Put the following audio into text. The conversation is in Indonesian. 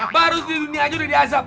baru di dunia aja udah diazap